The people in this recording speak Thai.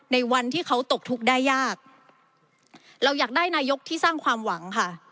ในวันที่เขาตกทุกข์ได้ยากเราอยากได้นายกที่สร้างความหวังค่ะ